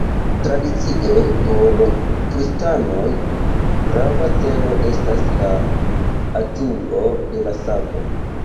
Tradicie, por kristanoj, grava celo estas la atingo de la savo.